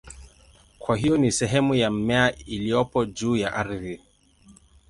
Kwa hiyo ni sehemu ya mmea iliyopo juu ya ardhi.